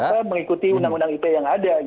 harus mengikuti undang undang ip yang ada